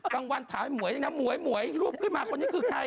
ตลอดเกิดกลางวันห้วยลูบขึ้นมาคนนี้คือใคร